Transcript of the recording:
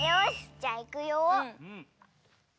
じゃあいくよ！